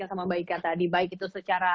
sama mbak ika tadi baik itu secara